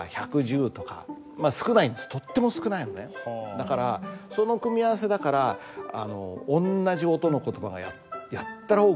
だからその組み合わせだから同じ音の言葉がやたら多くなっちゃう。